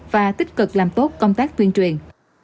và tích cực làm tốt công tác tuyên truyền